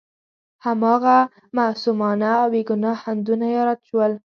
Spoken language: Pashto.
هماغه معصومانه او بې ګناه اندونه را یاد شول.